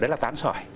đấy là tán sỏi